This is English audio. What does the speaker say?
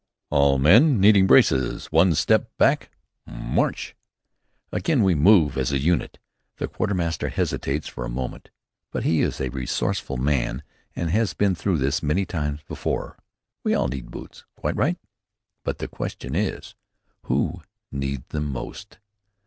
"All men needing braces, one pace step back, March!" Again we move as a unit. The quartermaster hesitates for a moment; but he is a resourceful man and has been through this many times before. We all need boots, quite right! But the question is, Who need them most?